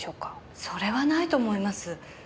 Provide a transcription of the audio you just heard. それはないと思います。